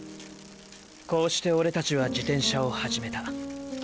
こうしてオレたちは自転車を始めた。